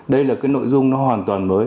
đây là cái nội dung nó hoàn toàn mới